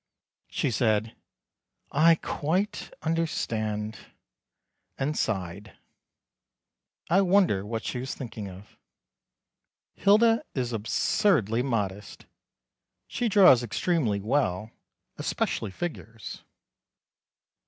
She said: "I quite understand," and sighed. I wonder what she was thinking of. Hilda is absurdly modest. She draws extremely well, especially figures.